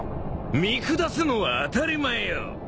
見下すのは当たり前よ。